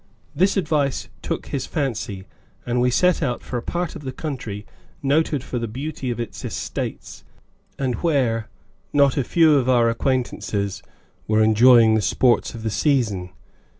This advice took his fancy and we set out for a part of the country noted for the beauty of its estates, and where not a few of our acquaintances were enjoying the sports of the season.